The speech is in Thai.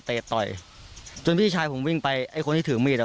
ต่อยจนพี่ชายผมวิ่งไปไอ้คนที่ถือมีดอ่ะ